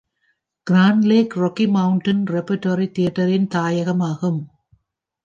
Grand Lake, Rocky Mountain Repertory Theatreன் தாயகமாகும்.